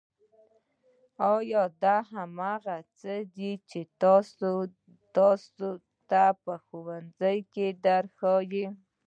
ایا دا هغه څه دي چې تاسو ته په ښوونځي کې درښیي